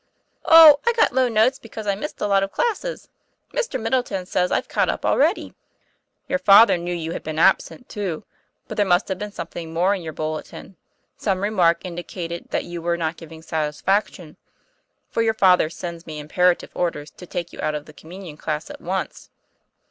"Oh, I got low notes because I missed a lot of classes. Mr. Middleton says I've caught up already." ' Your father knew you had been absent, too, but there must have been something more in your bulle tin, some remark which indicated that you were not giving satisfaction; for your father sends me imperative orders to take you out of the Communion Class at once."